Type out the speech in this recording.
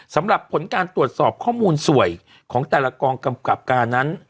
สำหรับผลการตรวจสอบข้อมูลสวยของแต่ละกองกำกับการนั้น